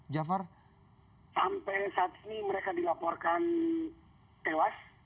jafar sampai saat ini mereka dilaporkan tewas